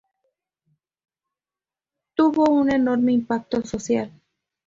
Tuvo un enorme impacto social.